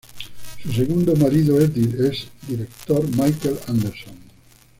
Su segundo marido es director Michael Anderson.